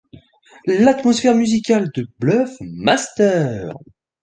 L'atmosphère musicale de Bluffmaster!